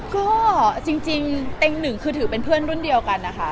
ก็จริงเต็งหนึ่งคือถือเป็นเพื่อนรุ่นเดียวกันนะคะ